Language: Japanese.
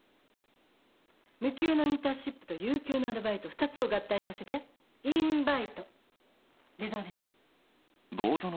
無給のインターンシップと有給のアルバイト２つを合体させてインバイトでどうでしょう？